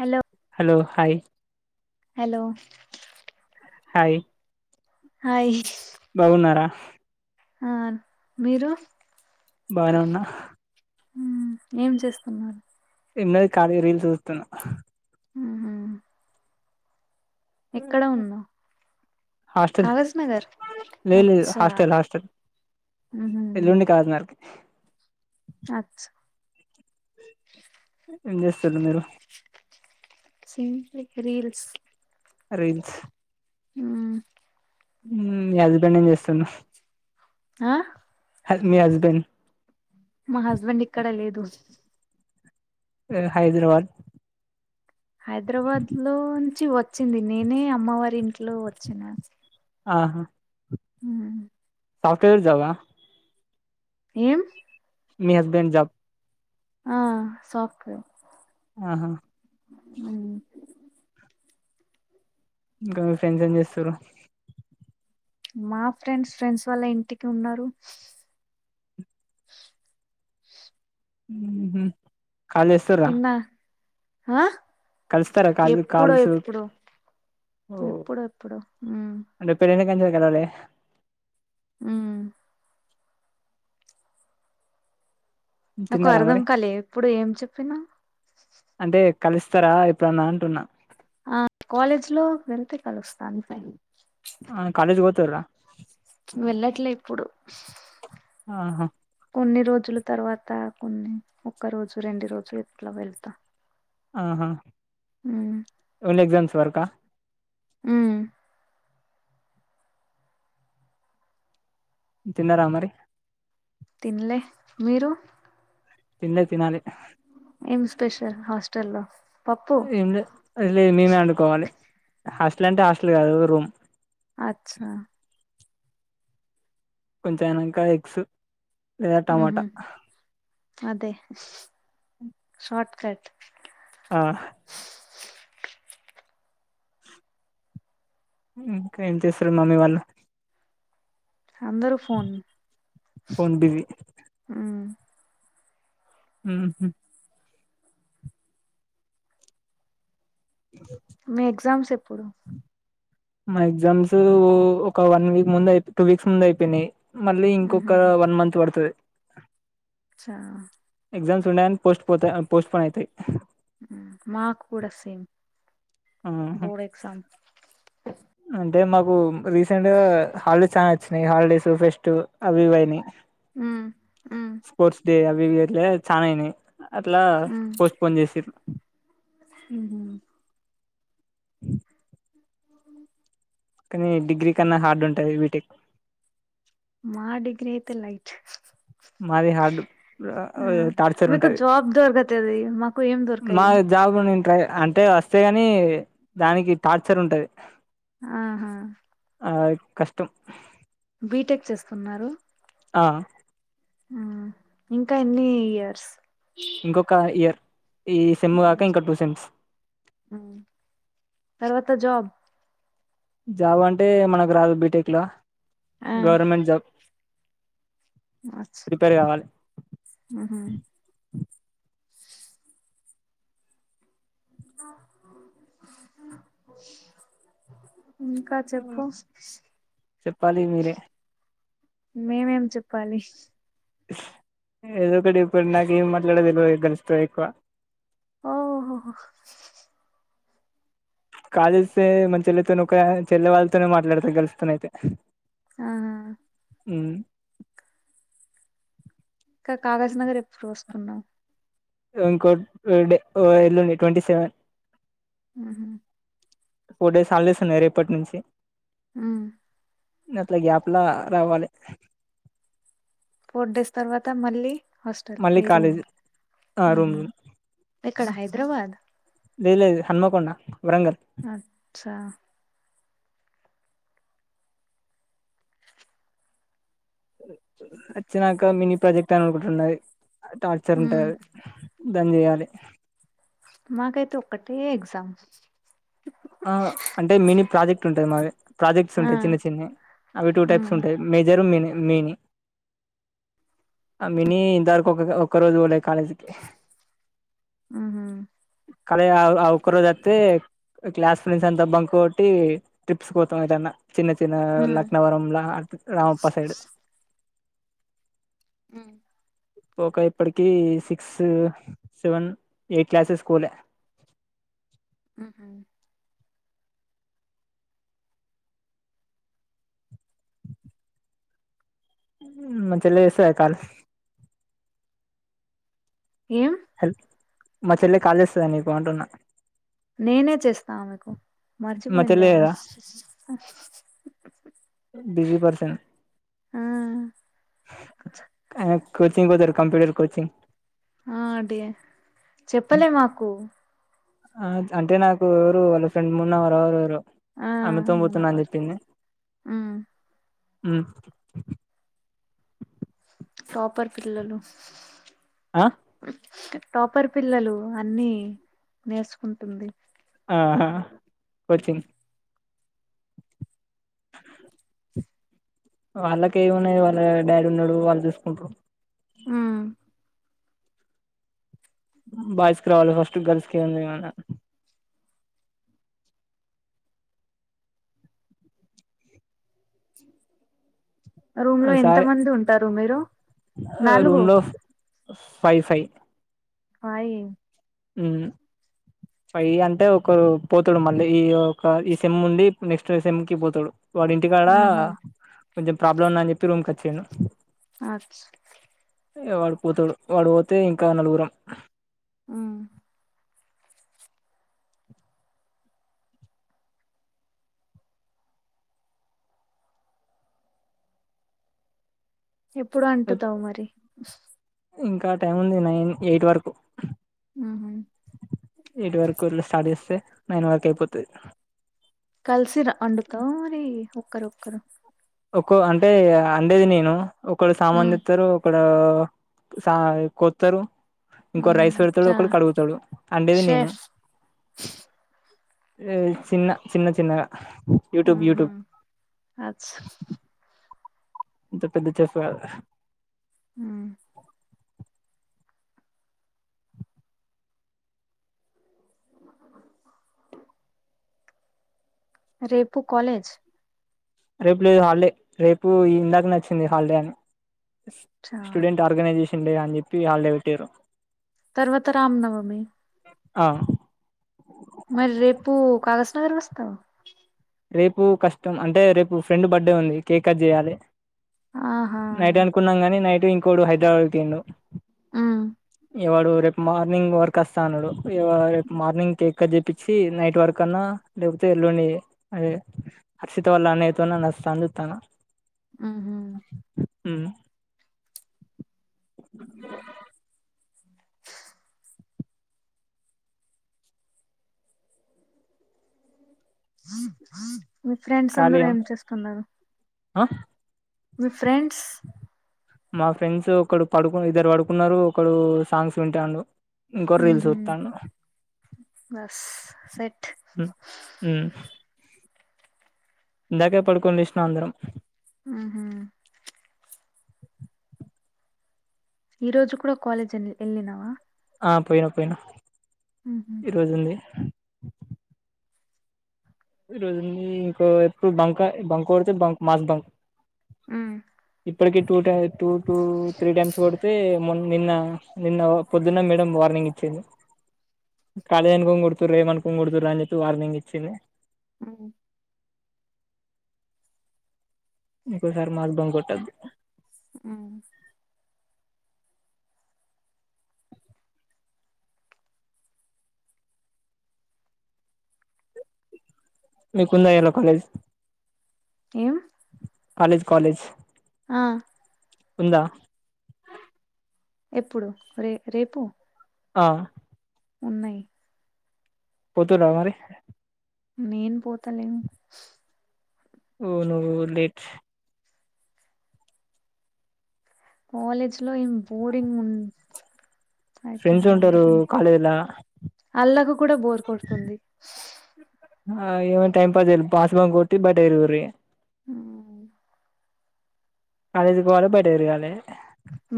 Hello hello hi hello hi hi బాగున్నారా ఆ మీరు బానే ఉన్నా మ్ ఏం చేస్తున్నారు ఏంలేద్ ఖాళీగా రీల్స్ చూస్తున్న హమ్మ్ ఎక్కడ ఉన్నావ్ హాస్టల్ కాగజ్ నగర్ లేదు లేదు అచ్చా హాస్టల్ హాస్టల్ హమ్మ్ ఎల్లుండి కాకినాడకి అచ్ ఏం చేస్తనారు మీరు సింప్లి రీల్స్ రీల్స్ హమ్ మ్మ మీ హస్బెండ్ ఏం చేస్తుండు ఆ హ మీ హస్బెండ్ మా హస్బెండ్ ఇక్కడ లేదు లే హైదరాబాద్ హైదరాబాద్లో నుంచి వ వచ్చింది నేనే అమ్మవారి ఇంట్లో వచ్చిన ఆహా మ్ సాఫ్ట్వేర్ జాబా ఏం మీ హస్బెండ్ జాబ్ ఆ సాఫ్ట్వేర్ ఆహా హమ్ ఇంకా మీ ఫ్రెండ్స్ ఏం చేస్ స్తురు మా ఫ్రెండ్స్ ఫ్రెండ్స్ వాళ్ళ ఇంటికి ఉన్నరు ఊహు కాల్ చేస్తరా హా ఎప్పుడో కాల్స్ ఎప్పుడు ఓ ఎప్పుడు ఎప్పుడు హమ్ కెల్లలే హమ్ నాకు తిన్నారా అర్థం మరి కాలే ఇప్పుడు ఏం చెప్పినవ్ అంటే కలుస్తారా ఇప్పుడన్నా అంటున్నా ఆ కాలేజ్ లో వెళ్తే కలుస్తాను ఫైన్ ఆ కాలేజ్కి పొత్తుర్రా వెళ్ళట్లే ఇప్పుడు ఆహా కొన్ని రోజుల తర్వాత కొన్ని ఒక్క రోజు రెండు రోజులు ఇట్లా వెళ్తా ఆహా మ్ అన్ని ఎగ్జామ్స్ వరుకా మ్ తిన్నారా మరి తిన్లే మీరు తిన్లే తినాలి ఏం స్పెషల్ హాస్టల్ లో ఏంలే లే మేమే వండుకోవాలి హాస్ట ఇట్లాంటి హాస్టల్ కాదు రూమ్ అచ్చా కొంచం ఎనక ఎగ్స్ లేదా ఉహు టమాటా అదే షార్ట్కట్ ఆ ఇంకా ఏం చేస్తరు మమ్మీ వాళ్ళు అందరు ఫోన్ ఫోన్ బిజీ మ్ మ్ హు మీ ఎగ్జామ్స్ ఎప్ ఎప్పుడు మా ఎగ్జామ్స్ ఒక వన్ వీక్ ముందు అయిపో టూ వీక్స్ ముందు ఐపొయినాయ్ మళ్ళీ ఉహు ఇంకొక వన్ మంత్ పడతది అచ్చా ఎగ్జామ్స్ ఉన్నాయని పోస్ట్ పోతయి పోస్ట్పోన్ అయితాయ్ ఉమ్. మాకు కూడా సేమ్ ఆహా బోర్డ్ ఎగ్జామ్ అంటే మాకు రీసెంట్ గా హాలిడేస్ చానా వచ్చినాయి హాలిడేస్ ఫెస్ట్ అవిఇవి అయినాయ్ మ్ మ్ వి వికెట్లే చానా అయినాయ్ అట్లా పోస్ట్పోన్ చేసిర్రు మ్ హు అ కానీ డిగ్రీ కన్నా హార్డ్ ఉంటది బీటెక్ మా డిగ్రీ అయితే లైట్ మాది హార్డ్ ఆ టార్చర్ మీకు ఉంటది జాబ్ దొరకతది మాకు ఏం దొరకాయి మాది జాబుని అంటే వస్తే గాని దానికి టార్చర్ ఉంటది ఆహా ఆ కష్టం బీటెక్ చేస్తున్నారు ఆ ఉమ్ ఇంకా ఎన్ని ఇయర్స్ ఇంకొక ఇయర్ ఈ సెమ్ కాక ఇంకా టు సెమ్స్ మ్ తర్వాత జాబ్ జాబ్ అంటే మనకు రాదు బీటెక్ ల ఆ గవర్నమెంట్ జాబ్ ప్రీపేరు కావాలి ఉహుమ్ [unintelligible] ఇంకా చెపు చెప్పాలి మీరే మేమేం చెప్పాలి ఏదో ఒకటి చెప్పండి నాకు ఏం మాట్లాడలో తేలవదు గాల్స్‌ తో ఎక్కువ ఓహో కాల్ చేస్తే మన చెల్లెతోనే చెల్లె వాళ్ళతోనే మాట్లాడతారు గాల్స్ తో నఅయితే ఆ ఉమ్ ఇంకా కాగజ్ నగర్ ఎప్పుడు వస్తున్నావ్ ఇంకో ఎల్లుండి ట్వంటీ సెవెన్ ఉహుమ్ ఫోర్ డేస్ హాలిడేస్ ఉన్నాయి రేప్పటి నుంచి ఉమ్ అట్లా గ్యాప్ లా రావాలి ఫోర్ డేస్ తర్వాత మళ్ళీ హాస్టల్ మళ్ళీ ఏ రూమ్ కాలేజ్ ఆ రూమ్ ఉహుమ్ రూమ్ ఎక్కడ హైదరాబాద్ లే లేదు హన్మకొండ వరంగల్ అచ్చా వచ్చినాక మినీ ప్రాజెక్ట్ అని ఒక ఉన్నది టార్చర్ ఉమ్ ఉంటది దాని చేయాలే మాకైతే ఒకటే ఎగ్జామ్స్ ఆ అంటే మినీ ప్రాజెక్ట్ ఉంటాది మాది ప్రాజెక్ట్స్ ఆ ఉంటాయి చిన్న చిన్న అవి టూ ఉమ్ టైప్స్ ఉంటాయి మేజర్ మిని మిని ఆ మినీ ఇంతవరకు ఒక ఒకక్క రోజు పోలా కాలేజీకి ఉహుమ్ కాలేజ్ ఆ ఆ ఒక్క రోజు వత్తే. క్లాస్ ఫ్రెండ్స్ అంతా బంకు కొట్టీ ట్రిప్స్ పోతాం ఏటన్నా. చిన్న చిన్న ఆ ఉమ్ లక్నవరంలా రామప్ప సైడ్. ఉ ఒక ఇప్పటికీ సిక్స్, సెవెన్, ఎయిట్ క్లాసెస్ కు వోలె. ఆహ మంచిగ లేద్ అసల్ ఆ కాలేజ్. ఏం హల్ మా చెల్లె కాల్ చేస్తదా మీకు అంటున్నా. నేనే చేస్తా ఆమెకు. మా మర్చిపోయింది చెల్లె ఆమె. కదా బిజీ పర్సన్. ఆ యా కోచింగ్ పోతరు కంప్యూటర్ కోచింగ్. ఆ అడియే, చెప్పలే మాకు. ఆ అంటే నాకు ఎవరూ వాళ్ళ ఫ్రెండ్ మున్నా ఆడా ఎవ్ర్ ఎవరో. ఆ ఆమెతోన్ పోతే అవునవర్ నాక్జెప్పింది. ఉమ్ హ్మ టాపర్ పిల్లలు. ఆ టాపర్ పిల్లలూ అన్నీ నేర్చుకుంటుంది. ఆహా వొచ్చింద్ వాళ్ళకేమున్నది వాళ్ళా డాడి ఉన్నడూ వాళ్ళు చూసుకుంటర్రు. హ్మ్ బాయ్స్కి రావాలి ఫస్ట్, గర్ల్స్కి ఏంది ఏమైన్నా. రూమ్ లో ఎంత మంది ఉంటార్. మీరూ ఆ రూమ్ లో ఫై ఫై. హాయి ఉమ్. ఫై అంటే ఒకరు పోతడు మళ్ళీ ఈ ఒక ఈ సెమ్ ఉండీ, నెక్స్ట్ సెమ్ కి పోతడు. వాడింటి కాడా ఉహు కొంచెం ప్రాబ్లం ఉన్నది అని చెప్పి రూమ్కి వచ్చండు. ఆచ్ వాడు పోతడు వాడు పోతే ఇంకా నలుగురం. ఉమ్ [inaudible] ఎప్పుడు అంటుతావు మరి. ఇంకా టైం ఉంది నైన్ ఎయిట్ వరకు. ఉహు ఎయిట్ వరకు స్టార్ట్ చేస్తే, నైన్ వరక్ అయిపోతది. కల్సిరా అండుతవ మరీ ఉప్ ఒక్కరు ఒక్కరు ఒకో అంటే అండేది నేను ఒకడు సామాన్ ఉమ్ తీత్తరు ఒకడూ ప సాయి కొత్తరు ఇంకో ఉమ్ రైస్ పెడతాడు చా ఒకడు కడుగుతడు అండేది నేను షెఫ్ ఏ చిన్న చిన్న చిన్నగా యూట్యూబ్ ఉహు యూట్యూబ్ అచ్ ఇంత పెద్ద [unintelligible] ఆ రేపు కాలేజ్ రేపు లేదు హాలిడే రేపు ఇందాక నచ్చింది హాలిడే అని చా స్టూడెంట్ ఆర్గనైజేషన్ [unintelligible] అని చెప్పి వాళ్డే పెట్టారు తర్వత రాం నవమీ ఆ మరి రేపు కాస్త [unintelligible] రేపు కష్టం అంటే రేపు ఫ్రెండ్ బర్త్డే ఉంది కేక్ కట్ చేయాలే ఆహా నైట్ అనుకున్నాం గాని నైట్ ఇంకోడు హైదరాబాద్ ఉమ్ [unintelligible] ఇవాడు రేపు మార్నింగ్ వర్క్ వస్తా అన్నాడు రేపు మార్నింగ్ కేక్క చెప్పించి నైట్ వర్క్ అన్నా లేకపోతే ఎల్లుండి అదే హర్షితో వల్ అన్నయ్యతో [unintelligible] ఉహు హ్మ్ మీ ఫ్రెండ్స్ అందరు ఖాళీయా ఏం చేస్తున్నారు ఆ మీ ఫ్రెండ్స్ మా ఫ్రెండ్స్ ఒకడు పడుకు ఇద్దరు పడుకున్నారు ఒకడు సాంగ్స్ వింటాండు ఇంకోర్ రీల్స్ ఉహు చూతండు బస్ సెట్ మ్మ్ హ్మ్ ఇందాకే పడుకొని లేచినా అందరం. ఆహా ఈ రోజు కూడ కాలేజ్ ఉని ఏళ్ళిన్నావా ఆ పోయినా పోయినా ఉహు ఈ రోజు ఉంది ఈ రోజుంది ఇంకో ఎప్పు బంకా బంక్ కొడితే బంక్ మాస్ బంక్ హ్మ్ ఇప్పటికి two time two to three times పడితే మొన్ నిన్న నిన్న పొద్దున్న మేడం వార్నింగ్ ఇచ్చింది. కాలేజ్ అనుకోని కొడుతూర్ ఏమనుకోనిడుతురు అని చెప్పి వార్నింగ్ ఇచ్చింది. మ్మ్ ఇంకోసారి మాక్ బంగ్ కొట్టద్ మ్మ్ మీకుందా ఎలా కాలేజ్ ఏం కాలేజ్ కాలేజ్ ఆ ఉందా ఎప్పుడు రే రేపు ఆ ఉన్నయ్ పోతురా మరి నేను పోతాలేన్ నువ్వు నువ్వు లేట్ కాలేజ్ లో ఏం బోడింగ్ ఉన్ ఫ్రెండ్స్ అయితుంది ఉంటారు అందుకని కాలేజ్లా అల్లకు కూడా బోర్ కొడుతుంది. ఆ ఏవన్ టైమ్ పాస్ జేరి పాస్ బంగ్ కొట్టి బట్టే తిరుగుర్రీ మ్మ్ కాలేజ్కి పోయాలి బయట తిరగాలి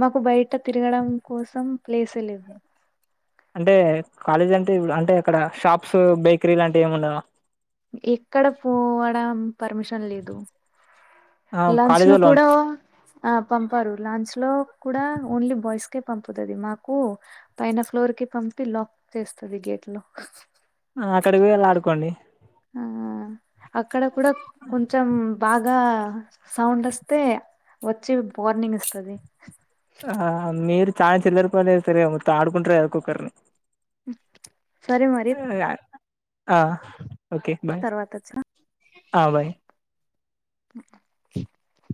మాకు బయట తిరగడం కోసం ప్లేసు లేవ్వు అంటే కాలేజీ అంటే అంటే అక్కడ షాప్స్ బేకరీ లాంటివి ఏమి ఉండవా, ఎక్కడ పోవడం పర్మిషన్ లేదు. ఆ లంచ్ కాలేజ్ ను వాళ్ళు కూడా పంప్ అప్ పంపరు లాంచ్ లో కూడా ఓన్లీ బాయ్స్ కే పంపుతాది మాకు పైన ఫ్లోర్ కి పంపి లాక్ చేస్తుంది గేట్ లో నువ్ అక్కడికి పోయళ్లా ఆడుకోండి ఆ అక్కడ కూడా కొంచెం బాగ్ ఇగా సౌండ్ వస్తే వచ్చి బోర్నింగ్ ఇస్తాది చానా చిల్లర పని చేస్తారు కదా మొత్తం ఆడుకుంటరు ఒక్కొక్కర్ని మ్ సరే మరి ఆ ఓకే బాయ్ తర్వాత వచ్చా ఆ బాయ్ [inaudible]